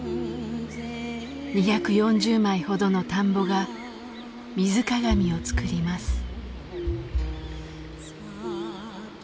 ２４０枚ほどの田んぼが水鏡を作ります。